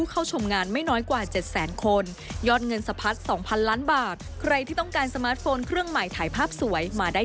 ทั้งหมดทั้งพรวงเนี่ยเราต้องดูว่าเราชอบแนวไหนมากกว่ากัน